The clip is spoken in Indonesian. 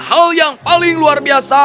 hal yang paling luar biasa